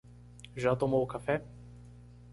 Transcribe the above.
Já tomou o café?